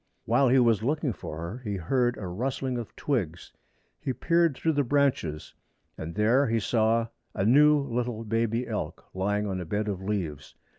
While he was looking for her he heard a rustling of twigs. He peered through the branches, and there he saw a new little baby elk lying on a bed of leaves.